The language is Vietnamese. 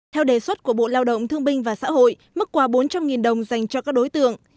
theo đề xuất của bộ lao động thương binh và xã hội mức quà bốn trăm linh đồng dành cho các đối tượng